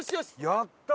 やったー！